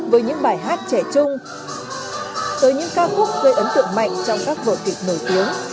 với những ca khúc gây ấn tượng mạnh trong các vội kịch nổi tiếng